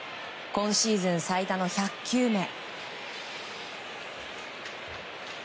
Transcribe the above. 今シーズン最多の１００球目。